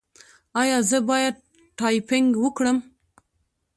ایا زه باید ټایپینګ وکړم؟